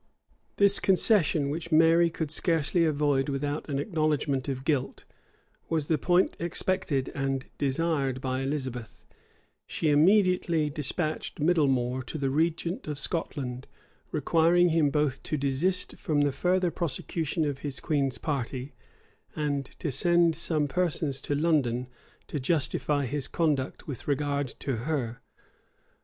This concession, which Mary could scarcely avoid without an acknowledgment of guilt, was the point expected and desired by Elizabeth: she immediately despatched Midlemore to the regent of Scotland; requiring him both to desist from the further prosecution of his queen's party, and to send some persons to London to justify his conduct with regard to her.